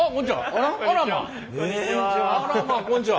あらまあらまこんにちは。